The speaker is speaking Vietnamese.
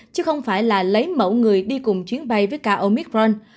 chứ không phải là lấy mẫu người đi cùng chuyến bay với k omicron